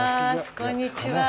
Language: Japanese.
こんにちは。